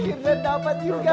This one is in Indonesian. cari jodoh akhirnya dapat juga